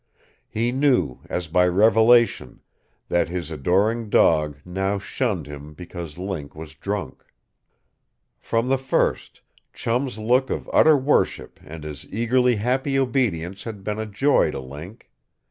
He knew, as by revelation, that his adoring dog now shunned him because Link was drunk. From the first, Chum's look of utter worship and his eagerly happy obedience had been a joy to Link.